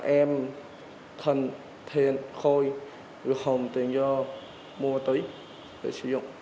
em thần thiên khôi được hồn tiền do mua ma túy để sử dụng